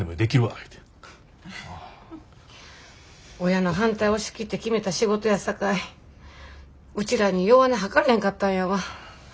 親の反対押し切って決めた仕事やさかいうちらに弱音吐かれへんかったんやわ。